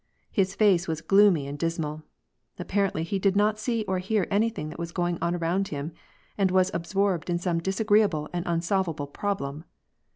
His face was gloomy and dismal. Apparently he did not see or hear anything that was going on around him, and was absorbed in some disagreeable and unsolvable prob lem.